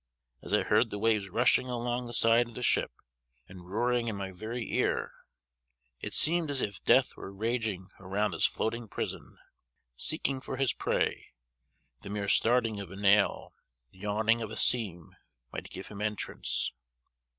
As I heard the waves rushing along the side of the ship, and roaring in my very ear, it seemed as if Death were raging around this floating prison, seeking for his prey: the mere starting of a nail, the yawning of a seam, might give him entrance.